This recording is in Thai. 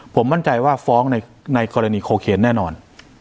ผมมั่นใจว่าฟ้องในกรณีโคเคนแน่นอน